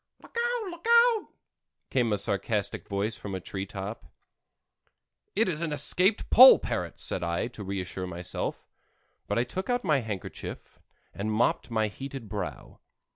"Look out, look out!" came a sarcastic voice from the tree top. "It is an escaped Poll parrot," said I, to reassure myself, but I took out my handkerchief and mopped my heated brow.